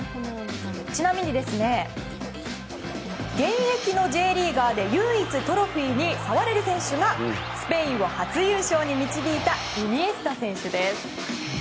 ちなみに、現役のＪリーガーで唯一、トロフィーに触れる選手がスペインを初優勝に導いたイニエスタ選手です。